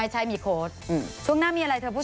ใช่มีโค้ดช่วงหน้ามีอะไรเธอพูด